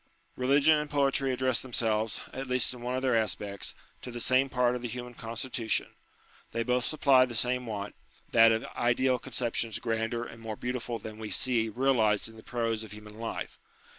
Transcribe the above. Eeligion and poetry address themselves, at least in one of their aspects, to the same part of the human constitution : they both supply the same want, that of ideal conceptions grander and more beautiful than we see realized in the prose of human life.